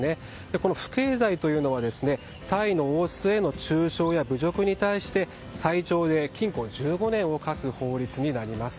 この不敬罪というのはタイの王室への中傷や侮辱に対して最長で禁錮１５年を科す法律になります。